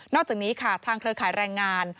อกจากนี้ค่ะทางเครือข่ายแรงงาน